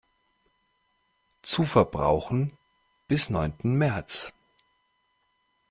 Zu verbrauchen bis neunten März.